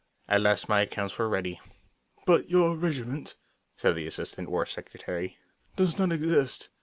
At last my accounts were ready. "But your regiment," said the Assistant War Secretary, "does not exist.